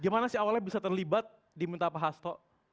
gimana sih awalnya bisa terlibat di minta pak rasto